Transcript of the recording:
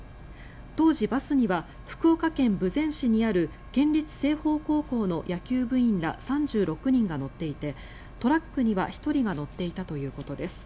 当時、バスには福岡県豊前市にある県立青豊高校の野球部員ら３６人が乗っていてトラックには１人が乗っていたということです。